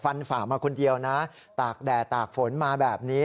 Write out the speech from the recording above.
ฝ่ามาคนเดียวนะตากแดดตากฝนมาแบบนี้